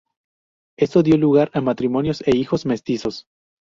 Esto dio lugar a matrimonios e hijos mestizos.